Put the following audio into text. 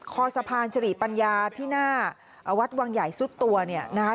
คอสะพานสิริปัญญาที่หน้าวัดวังใหญ่สุดตัวเนี่ยนะคะ